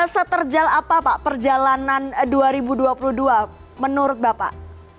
seterjal apa pak perjalanan dua ribu dua puluh dua menurut bapak